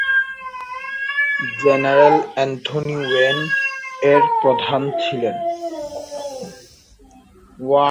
General Anthony Wayne এর প্রধান ছিলেন।